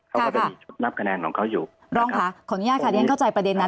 เขาก็จะมีชุดนับคะแนนของเขาอยู่รองค่ะขออนุญาตค่ะ